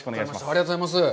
ありがとうございます。